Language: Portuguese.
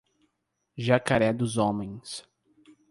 Jacaré dos Homens